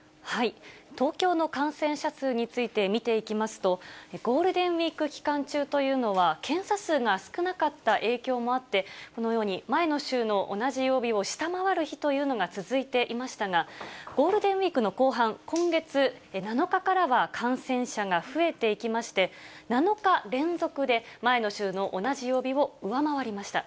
東京の感染者数について見ていきますと、ゴールデンウィーク期間中というのは、検査数が少なかった影響もあって、このように前の週の同じ曜日を下回る日というのが続いていましたが、ゴールデンウィークの後半、今月７日からは感染者が増えていきまして、７日連続で前の週の同じ曜日を上回りました。